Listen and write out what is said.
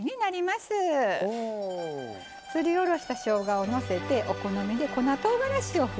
すりおろしたしょうがをのせてお好みで粉とうがらしをふっています。